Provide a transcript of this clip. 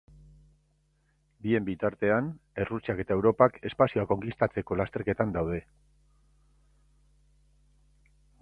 Bien bitartean, Errusiak eta Europak espazioa konkistatzeko lasterketan daude.